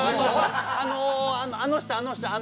あのあのあの人あの人あの。